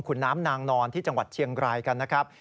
คุณน้ำนางนอนที่จังหวัดเชียงรายกันนะครับ